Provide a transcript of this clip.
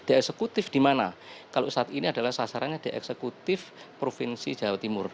di eksekutif di mana kalau saat ini adalah sasarannya di eksekutif provinsi jawa timur